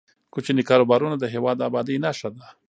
کوچني کاروبارونه د هیواد د ابادۍ نښه ده.